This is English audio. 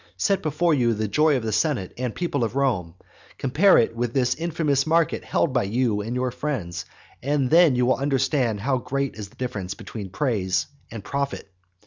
Set before you the joy of the senate and people of Rome, compare it with this infamous market held by you and by your friends, and then you will understand how great is the difference between praise and profit.